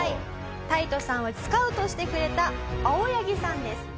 タイトさんをスカウトしてくれた青柳さんです。